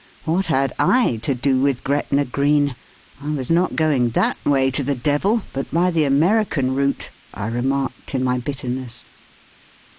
What had I to do with Gretna Green? I was not going that way to the Devil, but by the American route, I remarked in my bitterness.